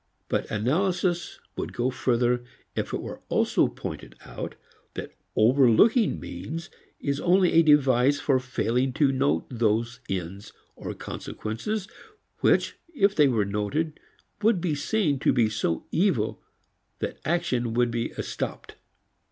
But analysis would go further if it were also pointed out that overlooking means is only a device for failing to note those ends, or consequences, which, if they were noted would be seen to be so evil that action would be estopped.